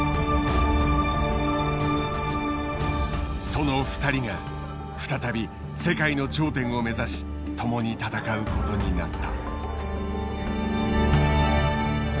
その２人が再び世界の頂点を目指し共に戦うことになった。